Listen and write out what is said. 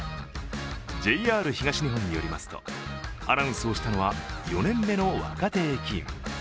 ＪＲ東日本によりますとアナウンスをしたのは４年目の若手駅員。